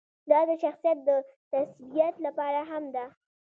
دا د شخصیت د تثبیت لپاره هم ده.